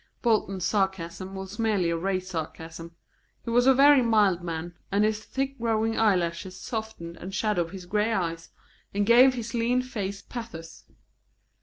Bolton's sarcasm was merely a race sarcasm. He was a very mild man, and his thick growing eyelashes softened and shadowed his grey eyes, and gave his lean face pathos.